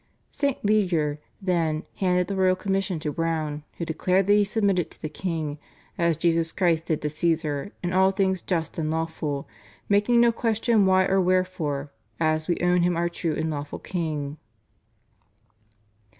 St. Leger then handed the royal commission to Browne, who declared that he submitted to the king "as Jesus Christ did to Caesar, in all things just and lawful, making no question why or wherefore, as we own him our true and lawful king."